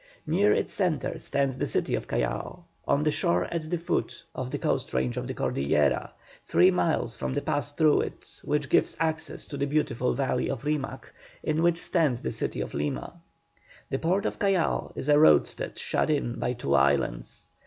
Near its centre stands the city of Callao, on the shore at the foot of the coast range of the Cordillera, three miles from the pass through it, which gives access to the beautiful valley of Rimac, in which stands the city of Lima. The port of Callao is a roadstead shut in by two islands.